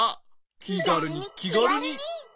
きがるにきがるに。